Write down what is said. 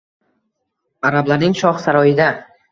Arablarning shox saroyida!